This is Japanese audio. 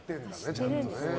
ちゃんとね。